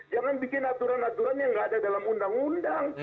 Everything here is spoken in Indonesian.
jangan bikin aturan aturan yang nggak ada dalam undang undang